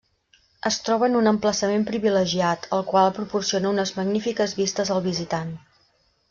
Es troba en un emplaçament privilegiat, el qual proporciona unes magnífiques vistes al visitant.